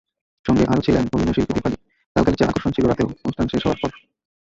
সঙ্গে আরও ছিলেন অভিনয়শিল্পী দীপালীলালগালিচার আকর্ষণ ছিল রাতেও, অনুষ্ঠান শেষ হওয়ার পর।